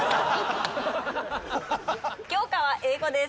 教科は英語です。